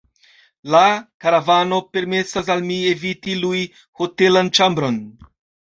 La karavano permesas al mi eviti lui hotelan ĉambron.